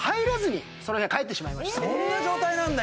そんな状態なんだ